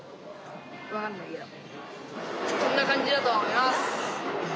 こんな感じだと思います。